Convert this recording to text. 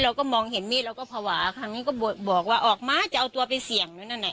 เราก็มองเห็นมีดเราก็ภาวะครั้งนี้ก็บอกว่าออกมาจะเอาตัวไปเสี่ยงอยู่นั่นน่ะ